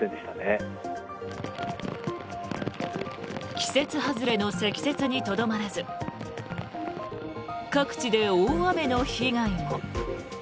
季節外れの積雪にとどまらず各地で大雨の被害も。